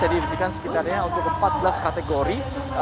jadi diberikan sekitarnya untuk empat belas kategori